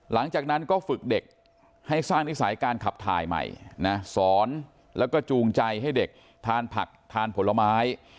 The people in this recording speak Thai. หลังจากนั้นก็ฝึกเด็กให้สร้างนิสัยการขับถ่ายใหม่นะสอนแล้วก็จูงใจให้เด็กทานผักทานผลไม้